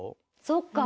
そっか。